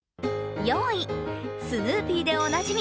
スヌーピーでおなじみ